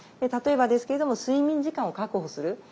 例えばですけれども睡眠時間を確保する。